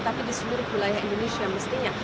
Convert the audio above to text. tapi di seluruh wilayah indonesia mestinya